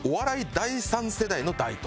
第３世代の台頭。